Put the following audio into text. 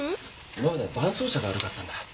今までは伴奏者が悪かったんだ。